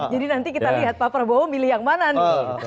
jadi nanti kita lihat pak prabowo milih yang mana nanti